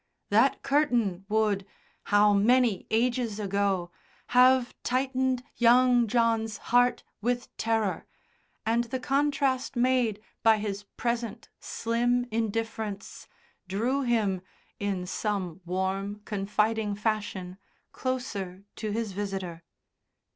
That curtain would how many ages ago! have tightened young John's heart with terror, and the contrast made by his present slim indifference drew him, in some warm, confiding fashion, closer to his visitor.